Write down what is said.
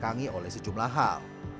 belakangi oleh sejumlah hal